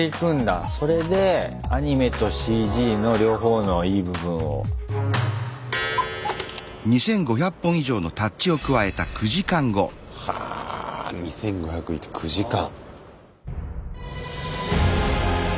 それでアニメとＣＧの両方のいい部分を。は２５００入れて９時間！